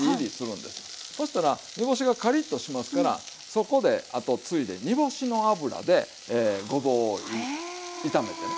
そしたら煮干しがカリッとしますからそこであとついでに煮干しの油でごぼうを炒めてね。